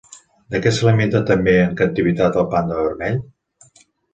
De què s'alimenta també en captivitat el panda vermell?